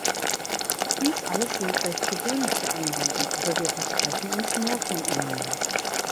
Dies alles sind recht gewöhnliche Anliegen, aber wir versprechen uns mehr von Ihnen.